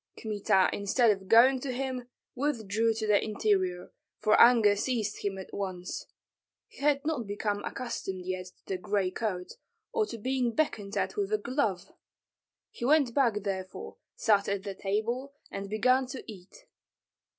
Kmita instead of going to him withdrew to the interior, for anger seized him at once. He had not become accustomed yet to the gray coat, or to being beckoned at with a glove. He went back therefore, sat at the table, and began to eat.